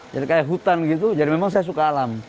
jadi kayak hutan gitu jadi memang saya suka alam